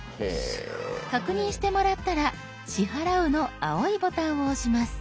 確認してもらったら「支払う」の青いボタンを押します。